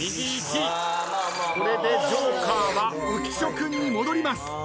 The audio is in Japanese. これでジョーカーは浮所君に戻ります。